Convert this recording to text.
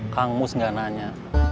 kang mus tidak bertanya